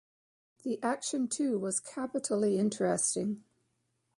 The action too was capitally interesting.